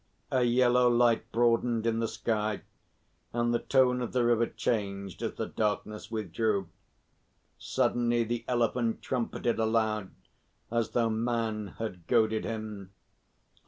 A yellow light broadened in the sky, and the tone of the river changed as the darkness withdrew. Suddenly the Elephant trumpeted aloud as though man had goaded him.